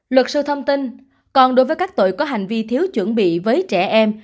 luật sư thông tin còn đối với các tội có hành vi thiếu chuẩn bị với trẻ em